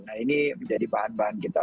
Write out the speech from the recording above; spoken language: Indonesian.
nah ini menjadi bahan bahan kita